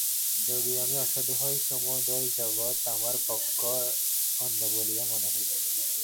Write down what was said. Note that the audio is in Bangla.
যদি আমি অসাধু হই, সমুদয় জগৎ আমার পক্ষে মন্দ বলিয়া মনে হইবে।